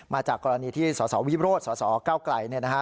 มาจากกรณีที่สสวิโรธสสเก้าไกลเนี่ยนะฮะ